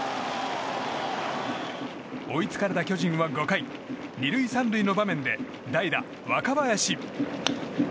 追いつかれた巨人は５回２塁３塁の場面で代打、若林。